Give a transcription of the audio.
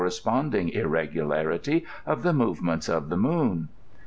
espaftduig iixegularity of the mavem^its of the moon.